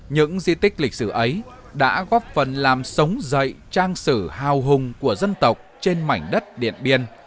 những di tích lịch sử ấy đã góp phần làm sống dậy trang sử hào hùng của dân tộc trên mảnh đất điện biên